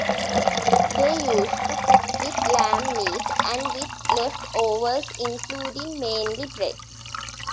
They used to cook with lamb meat and with left overs including mainly bread.